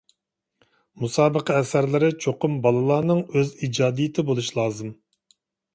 مۇسابىقە ئەسەرلىرى چوقۇم بالىلارنىڭ ئۆز ئىجادىيىتى بولۇشى لازىم.